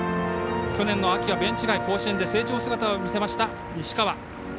去年の秋はベンチ外甲子園で成長した姿を見せました、西川。